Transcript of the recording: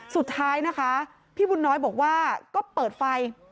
สุดท้ายนะคะพี่บุญน้อยบอกว่าก็เปิดไฟ